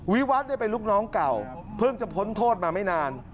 วิวัตรเป็นลูกน้องเก่าเพิ่งจะพ้นโทษมาไม่นาน